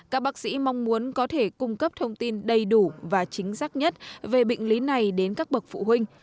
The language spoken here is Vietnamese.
các bác sĩ mong muốn có thể cung cấp thông tin đầy đủ và chính xác nhất về bệnh lý này đến các bậc phụ huynh